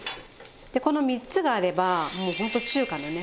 でこの３つがあればもうホント中華のね。